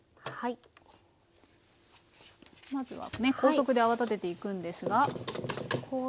まずは高速で泡立てていくんですが。